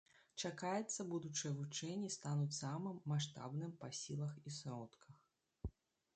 Чакаецца, будучыя вучэнні стануць самым маштабным па сілах і сродках.